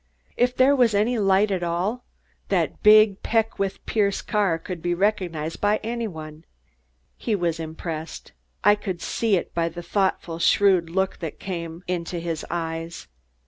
If there was any light at all, that big Peckwith Pierce car could be recognized by any one." He was impressed. I could see it by the thoughtful, shrewd look that, came into his eyes.